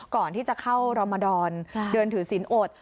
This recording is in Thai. ก่อนที่จะเข้ารมดรเดินถือศีลอด